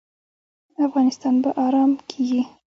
افغانستان به ارام کیږي؟